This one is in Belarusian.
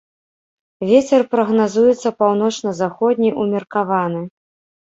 Вецер прагназуецца паўночна-заходні ўмеркаваны.